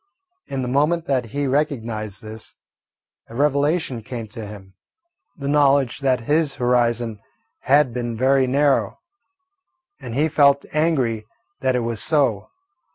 In the moment that he recognised this, a revelation came to him, the knowledge that his horizon had been very narrow, and he felt angry that it was so.